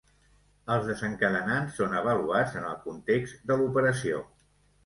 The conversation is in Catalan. Els desencadenants són avaluats en el context de l'operació.